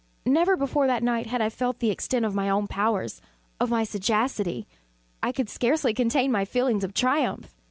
Never before that night had I felt the extent of my own powers of my sagacity. I could scarcely contain my feelings of triumph.